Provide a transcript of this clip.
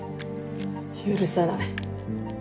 許さない。